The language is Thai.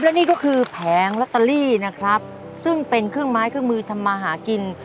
และนี่ก็คือแผงลอตเตอรี่นะครับซึ่งเป็นเครื่องไม้เครื่องมือทำมาหากิน